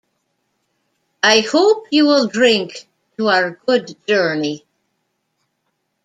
I hope you will drink to our good journey.